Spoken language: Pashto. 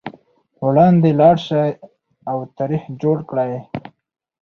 وړاندې لاړ شئ او تاریخ جوړ کړئ.